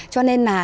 cho nên là